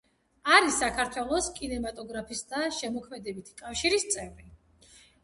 არის საქართველოს კინემატოგრაფისტთა შემოქმედებითი კავშირის წევრი.